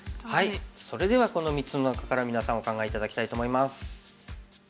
それではこの３つの中から皆さんお考え頂きたいと思います。